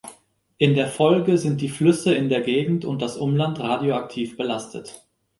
In der Folge sind die Flüsse in der Gegend und das Umland radioaktiv belastet.